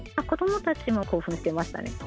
子どもたちも興奮していましたね。